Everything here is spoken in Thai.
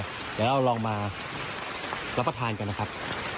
เดี๋ยวเราลองมารับประทานกันนะครับ